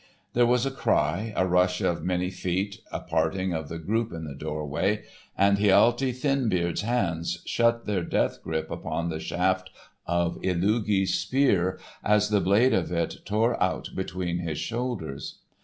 There was a cry, a rush of many feet, a parting of the group in the doorway, and Hialti Thinbeard's hands shut their death grip upon the shaft of Illugi's spear as the blade of it tore out between his shoulders.